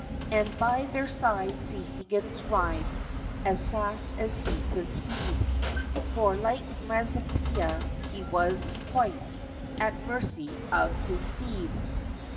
And by their side see Huggins ride, As fast as he could speed; For, like Mazeppa, he was quite At mercy of his steed.